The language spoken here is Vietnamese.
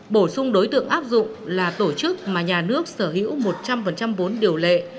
bổ sung đối tượng áp dụng là tổ chức mà nhà nước sở hữu một trăm linh vốn điều lệ